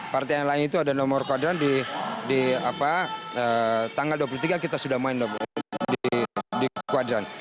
partai yang lain itu ada nomor qadran di tanggal dua puluh tiga kita sudah main di kuadran